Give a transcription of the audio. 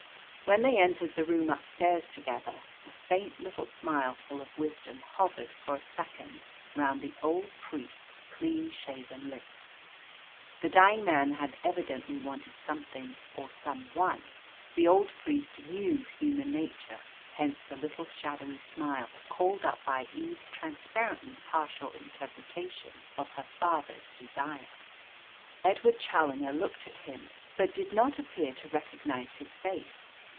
When they entered the room upstairs together, a faint little smile full of wisdom hovered for a second round the old priest's clean shaven lips. The dying man had evidently wanted something or some one. The old priest knew human nature, hence the little shadowy smile called up by Eve's transparently partial interpretation of her father's desire. Edward Challoner looked at him, but did not appear to recognise his face.